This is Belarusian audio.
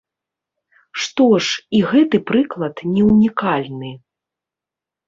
Што ж, і гэты прыклад не ўнікальны.